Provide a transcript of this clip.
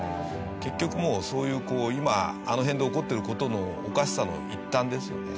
結局もうそういう今あの辺で起こってる事のおかしさの一端ですよね。